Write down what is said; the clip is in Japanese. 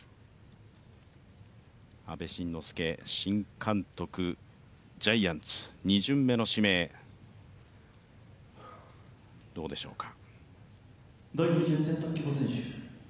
阿部慎之助新監督、ジャイアンツ２巡目の指名、どうでしょうか。